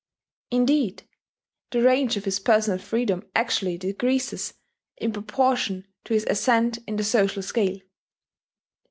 Indeed, the range of his personal freedom actually decreases in proportion to his ascent in the social scale.